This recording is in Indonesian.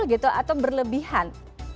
gitu atau berlebihan